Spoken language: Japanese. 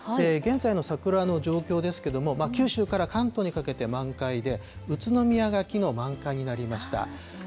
現在の桜の状況ですけども、九州から関東にかけて満開で、宇都宮がきのう満開になりました。